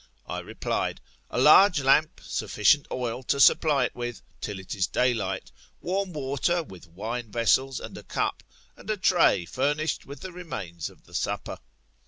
I replied, A large lamp, sufficient oil to supply it with, till it is daylight ; warm water, with wine vessels and a cup, and a tray furnished with the remains of the supper.